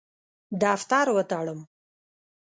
دفتر وتړم.